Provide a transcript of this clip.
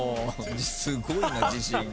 すごいな自信が。